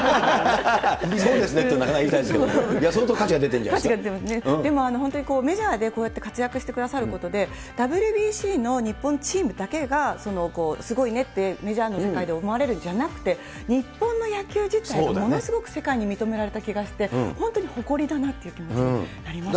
そうですねってなかなか言いにくいんですけど、そうとう価値が出でも、本当にこうやってメジャーで活躍してくださることで、ＷＢＣの日本チームだけがすごいねって、メジャーの世界で思われるんじゃなくて、日本の野球自体が、ものすごく世界に認められた気がして、本当に誇りだなっていう気持ちになりますね。